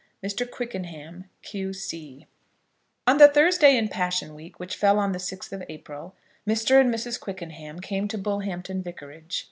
MR. QUICKENHAM, Q.C. On the Thursday in Passion week, which fell on the 6th of April, Mr. and Mrs. Quickenham came to Bullhampton Vicarage.